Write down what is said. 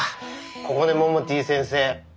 ここねモモティ先生